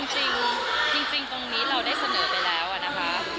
จริงตรงนี้เราได้เสนอไปแล้วนะคะ